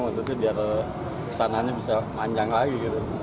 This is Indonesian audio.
maksudnya biar pesanannya bisa panjang lagi gitu